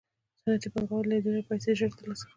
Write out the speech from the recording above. صنعتي پانګوال له دې لارې پیسې ژر ترلاسه کوي